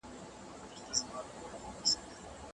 که د نفوسو وده چټکه وي نو سړي سر عاید نه زیاتیږي.